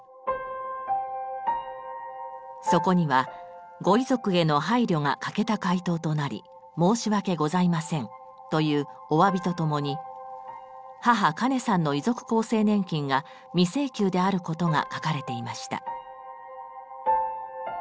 そこには「ご遺族への配慮が欠けた回答となり申し訳ございません」というおわびとともに母・カネさんの遺族厚生年金が未請求であることが書かれていました。